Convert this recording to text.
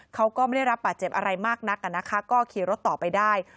เขาก็ไม่ได้รับบาดเจ็บอะไรมากนักนะคะก็ขี่รถต่อไปได้